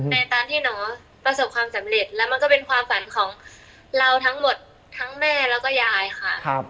ในการที่น้องประสบความสำเร็จแล้วมันก็เป็นความฝันของเราทั้งหมดทั้งแม่แล้วก็ยายค่ะ